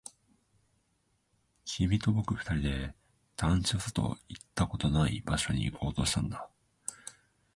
君と僕二人で団地の外、行ったことのない場所に行こうとしたんだ